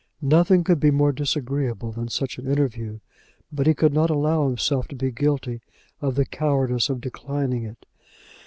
Nothing could be more disagreeable than such an interview, but he could not allow himself to be guilty of the cowardice of declining it.